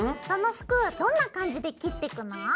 その服はどんな感じで切っていくの？